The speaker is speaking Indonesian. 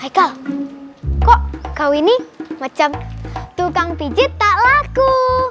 eko kok kau ini macam tukang pijit tak laku